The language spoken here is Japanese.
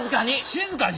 静かに。